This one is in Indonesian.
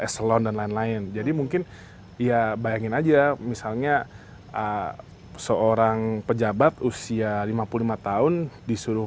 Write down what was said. eselon dan lain lain jadi mungkin ya bayangin aja misalnya seorang pejabat usia lima puluh lima tahun disuruh